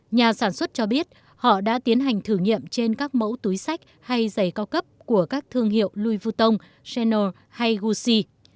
nhà sản xuất cho biết họ đã tiến hành thử nghiệm trên các mẫu túi sách hay giày cao cấp của các thương hiệu louis vuitton chanel hay gucci